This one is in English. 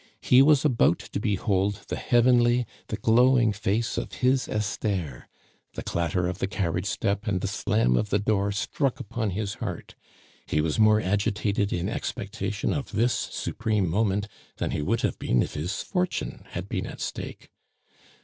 He was about to behold the heavenly, the glowing face of his Esther! the clatter of the carriage step and the slam of the door struck upon his heart. He was more agitated in expectation of this supreme moment than he would have been if his fortune had been at stake.